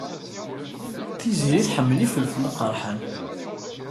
Tiziri tḥemmel ifelfel aqerḥan.